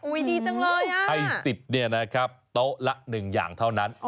ดีจังเลยอ่ะให้สิทธิ์เนี่ยนะครับโต๊ะละหนึ่งอย่างเท่านั้น